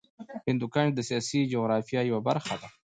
هندوکش د سیاسي جغرافیه یوه برخه ده.